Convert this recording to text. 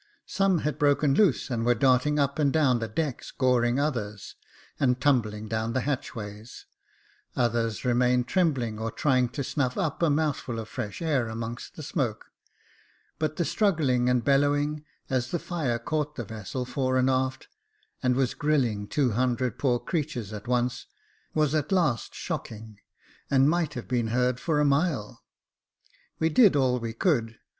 Some had broken loose, and were darting up and down the decks goring others, and tumbling down the hatchways : others remained trembling, or trying to snufF up a mouthful of fresh air amongst the smoke ; but the struggling and bellowing, as the fire caught the vessel fore Jacob Faithful 8i and aft, and was gi'IUing two hundred poor creatures at once, was at last shocking, and might have been heard for a mile. We did all we could.